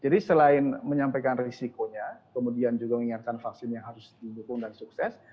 jadi selain menyampaikan risikonya kemudian juga mengingatkan vaksinnya harus dihubung dan sukses